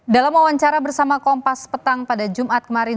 dalam wawancara bersama kompas petang pada jumat kemarin